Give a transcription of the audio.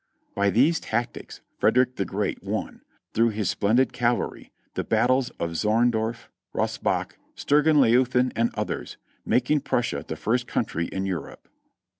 By these tactics Frederick the Great won, through his splen did cavalry, the battles of Zorndorf, Rosbach, Sturgan Leuthen and others, making Prussia the first country in Europe.